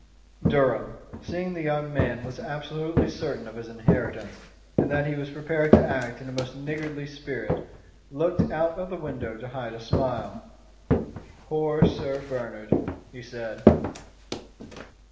Durham, seeing the young man was absolutely certain of his inheritance, and that he was prepared to act in a most niggardly spirit, looked out of the window to hide a smile. "Poor Sir Bernard," he said.